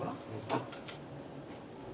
あっ。